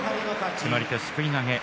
決まり手はすくい投げです。